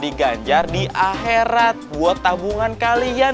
di ganjar di akhirat buat tabungan kalian di akhirat